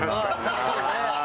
確かにね。